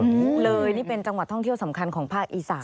เลยนี่เป็นจังหวัดท่องเที่ยวสำคัญของภาคอีสาน